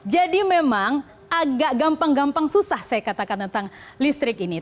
jadi memang agak gampang gampang susah saya katakan tentang listrik ini